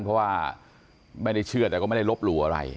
เพราะว่าไม่ได้เชื่อแต่ก็ไม่ได้ลบหลู่อะไร